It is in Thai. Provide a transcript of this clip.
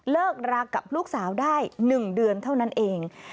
เลิกรากับลูกสาวได้๑เดือนเท่านั้นเอง